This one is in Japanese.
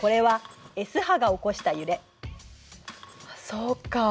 そうか。